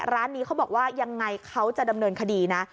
ร้านนี้เขาบอกว่ายังไงเขาจะดำเนินคดีนะ